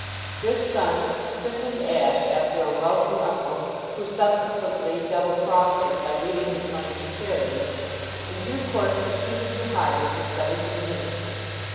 This son, christened Ashe after a wealthy uncle who subsequently double crossed them by leaving his money to charities, in due course proceeded to Harvard to study for the ministry.